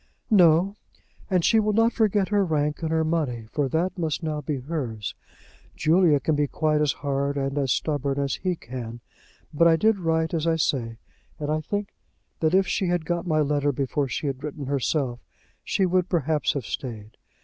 "No, and she will not forget her rank and her money; for that must now be hers. Julia can be quite as hard and as stubborn as he can. But I did write as I say, and I think that if she had got my letter before she had written herself, she would perhaps have stayed.